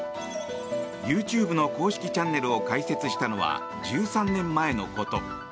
ＹｏｕＴｕｂｅの公式チャンネルを開設したのは１３年前のこと。